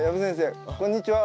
こんにちは。